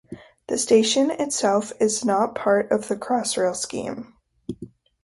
The station itself is not part of the Crossrail scheme.